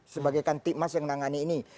sebagai kan timas yang menangani ini